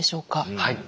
はい。